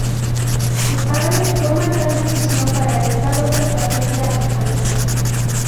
Su padre toma tal decisión para evitar otra tragedia a su familia.